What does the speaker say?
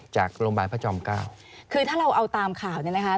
จากโรงพยาบาลพระจอมเก้าคือถ้าเราเอาตามข่าวเนี่ยนะคะ